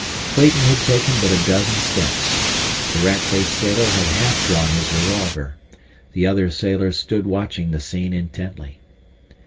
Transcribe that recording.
Clayton had taken but a dozen steps. The rat faced sailor had half drawn his revolver; the other sailors stood watching the scene intently.